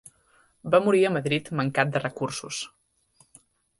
Va morir a Madrid mancat de recursos.